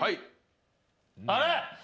あれ！？